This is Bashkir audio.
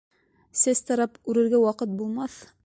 — Сәс тарап үрергә ваҡыт булмаҫ...